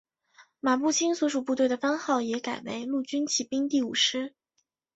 马步青所属部队的番号也改为陆军骑兵第五师。